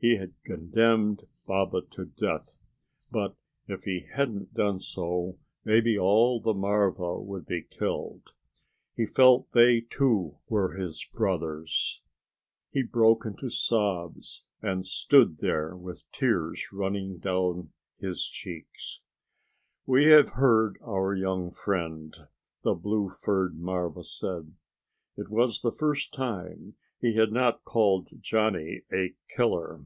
He had condemned Baba to death, but if he hadn't done so, maybe all the marva would be killed. He felt they, too, were his brothers. He broke into sobs and stood there with tears running down his cheeks. "We have heard our young friend," the blue furred marva said. It was the first time he had not called Johnny a killer.